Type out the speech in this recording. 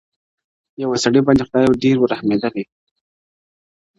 یو سړي باندي خدای ډېر وو رحمېدلی-